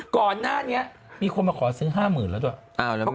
ก่อนหน้านี้มีคนมาขอซื้อ๕๐๐๐แล้วด้วย